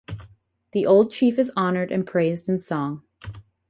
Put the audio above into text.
The old chief is honored and praised in song.